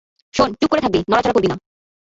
শোন, চুপ করে থাকবি নড়াচড়া করবি না।